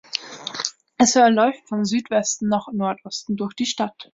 Es verläuft von Südwesten nach Nordosten durch die Stadt.